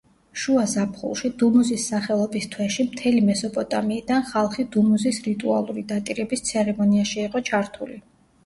შუა ზაფხულში დუმუზის სახელობის თვეში მთელი მესოპოტამიიდან ხალხი დუმუზის რიტუალური დატირების ცერემონიაში იყო ჩართული.